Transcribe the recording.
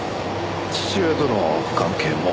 父親との関係も。